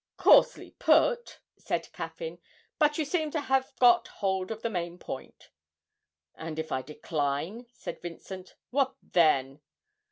'Coarsely put,' said Caffyn, 'but you seem to have got hold of the main point.' 'And if I decline,' said Vincent, 'what then?'